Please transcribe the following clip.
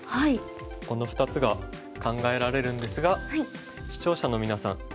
この２つが考えられるんですが視聴者の皆さん